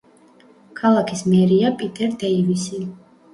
ქალაქის მერია პიტერ დეივისი.